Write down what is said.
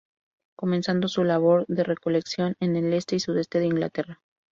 Comenzando su labor de recolección en el este y sudeste de Inglaterra.